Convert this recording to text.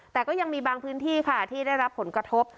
แต่ก็ยังมีบางพื้นที่ค่ะที่ได้รับผลกระทบ